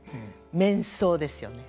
面相ですよね。